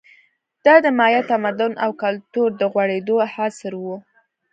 دا د مایا تمدن او کلتور د غوړېدو عصر و